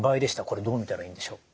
これどう見たらいいんでしょう？